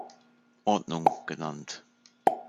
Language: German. Ordnung" genannt.